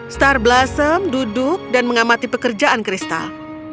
star blossom duduk dan mengamati pekerjaan kristal